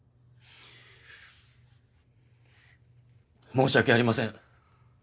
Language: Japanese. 申し訳ありません。